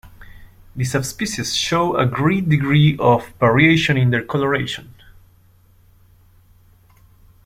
The subspecies show a great degree of variation in their colouration.